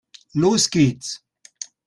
Los geht's!